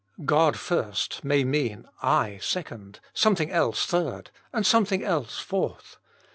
God first may mean *<I" second, something else third, and something else fourth.